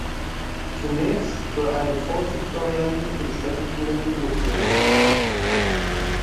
Zunächst soll eine Vorzugsvariante für die Streckenführung gesucht werden.